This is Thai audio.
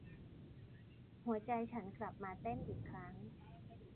หัวใจฉันกลับมาเต้นอีกครั้ง